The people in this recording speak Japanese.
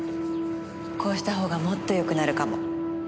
こうした方がもっとよくなるかも。